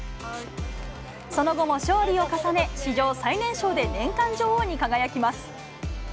その後も勝利を重ね、史上最年少で年間女王に輝きます。